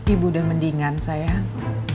ibu udah mendingan sayang